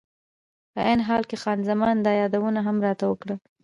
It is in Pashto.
په عین حال کې خان زمان دا یادونه هم راته وکړه.